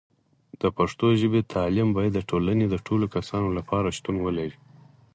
د پښتو ژبې تعلیم باید د ټولنې د ټولو کسانو لپاره شتون ولري.